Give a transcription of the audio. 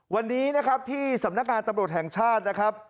วันนี้นะครับที่สำนักงานตำรวจแห่งชาตินะครับ